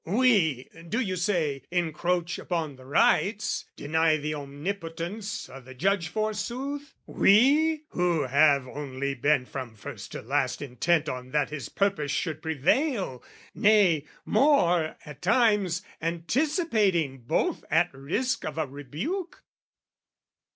We, do you say, encroach upon the rights, Deny the omnipotence o' the Judge forsooth? We, who have only been from first to last Intent on that his purpose should prevail, Nay, more, at times, anticipating both At risk of a rebuke?